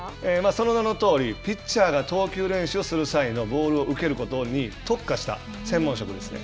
その名のとおりピッチャーが投球練習をする際のボールを受けることに特化した専門職ですね。